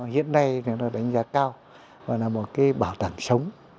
hiện nay nó đánh giá cao và là một cái bảo tàng sống